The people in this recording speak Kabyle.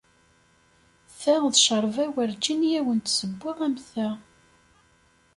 Ta d ccerba werǧin i awen-d-sewweɣ am ta.